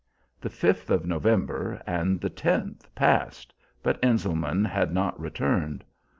The 5th of November and the 10th passed, but Enselman had not returned.